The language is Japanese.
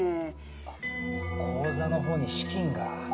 あっ口座の方に資金が。